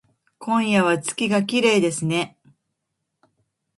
今夜は月がきれいですね